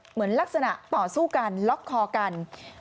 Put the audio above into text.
เหมือนลักษณะต่อสู้กันล็อกคอกัน